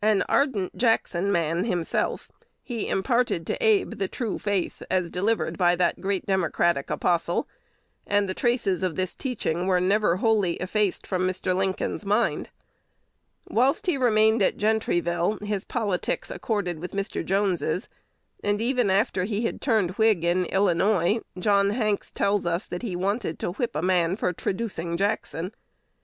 An ardent Jackson man himself, he imparted to Abe the true faith, as delivered by that great democratic apostle; and the traces of this teaching were never wholly effaced from Mr. Lincoln's mind. Whilst he remained at Gentryville, his politics accorded with Mr. Jones's; and, even after he had turned Whig in Illinois, John Hanks tells us that he wanted to whip a man for traducing Jackson.